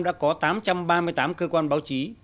đã có tám trăm ba mươi tám cơ quan báo chí